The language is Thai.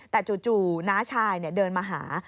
แต่จู่น้าชายเดินมาหา